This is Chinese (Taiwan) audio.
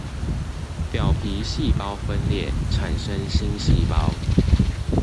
表皮細胞分裂產生新細胞